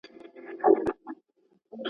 تر ټولو غوره انسان هغه دی چې خلکو ته ګټه رسوي.